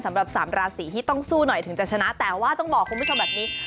สำหรับสามราศีที่ต้องสู้หน่อยถึงจะชนะแต่ว่าต้องบอกคุณผู้ชมแบบนี้